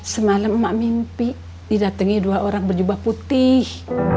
semalam emak mimpi didatangi dua orang berjubah putih